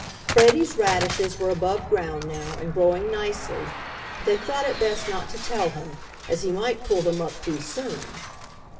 Freddie's radishes were above ground now, and growing nicely, but they thought it best not to tell him, as he might pull them up too soon.